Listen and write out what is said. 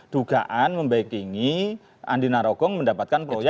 dugaan membaik ini andi narogong mendapatkan proyek